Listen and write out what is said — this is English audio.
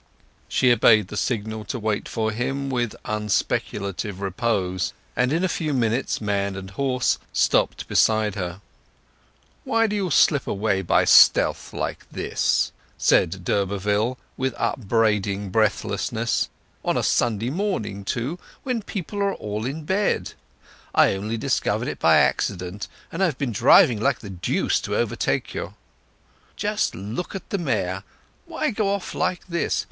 She obeyed the signal to wait for him with unspeculative repose, and in a few minutes man and horse stopped beside her. "Why did you slip away by stealth like this?" said d'Urberville, with upbraiding breathlessness; "on a Sunday morning, too, when people were all in bed! I only discovered it by accident, and I have been driving like the deuce to overtake you. Just look at the mare. Why go off like this?